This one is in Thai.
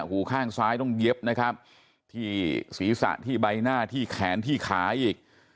หูข้างซ้ายต้องเย็บนะครับที่ศีรษะที่ใบหน้าที่แขนที่ขาอีก